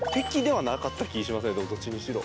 どっちにしろ。